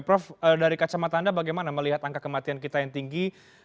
prof dari kacamata anda bagaimana melihat angka kematian kita yang tinggi